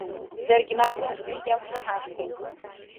Даргьы мап рымҳәеит, иақәшаҳаҭхеит.